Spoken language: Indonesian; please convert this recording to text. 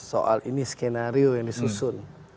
soal ini skenario yang disusun